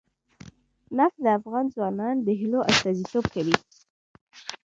نفت د افغان ځوانانو د هیلو استازیتوب کوي.